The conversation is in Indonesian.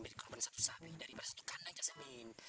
berkorban satu sapi dari satu kandang cak samin